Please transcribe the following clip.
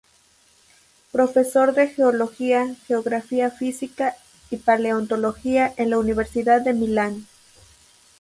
Profesor de geología, geografía física y paleontología en la Universidad de Milán.